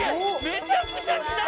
めちゃくちゃ来た